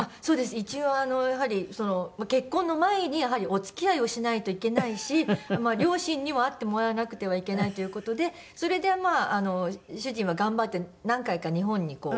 一応結婚の前にやはりお付き合いをしないといけないし両親にも会ってもらわなくてはいけないという事でそれでまあ主人は頑張って何回か日本に。